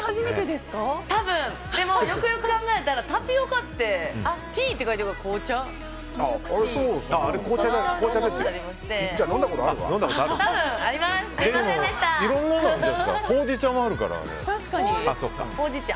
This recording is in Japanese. でもよくよく考えたらタピオカってティーって書いてるから紅茶？